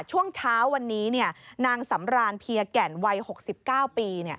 ช่วงเช้าวันนี้นางสำรานเพียแก่นวัย๖๙ปี